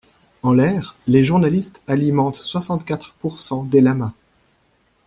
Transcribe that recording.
En l'air, les journalistes alimentent soixante-quatre pour cent des lamas.